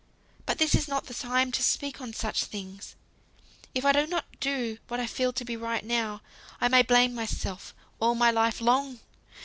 But this is not the time to speak on such things. If I do not do what I feel to be right now, I may blame myself all my life long!